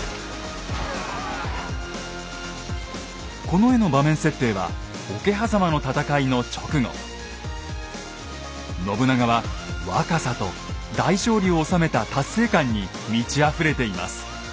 この絵の場面設定は信長は若さと大勝利を収めた達成感に満ちあふれています。